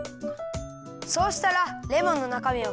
そうしたらレモンのなかみをかきだすよ。